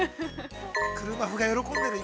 ◆車麩が喜んでる、今。